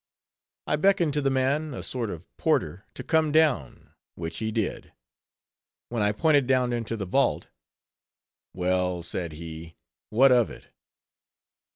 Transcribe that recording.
I beckoned to the man, a sort of porter, to come down, which he did; when I pointed down into the vault. "Well," said he, "what of it?"